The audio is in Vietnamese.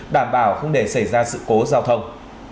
đảm bảo không để xảy ra sự cố giao thông